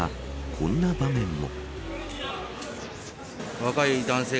こんな場面も。